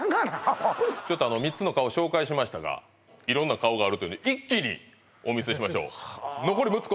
ちょっと３つの顔紹介しましたがいろんな顔があるというんで一気にお見せしましょう残り６つ